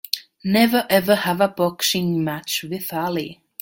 Never ever have a boxing match with Ali!